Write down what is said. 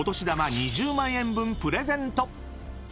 ２０万円分プレゼント。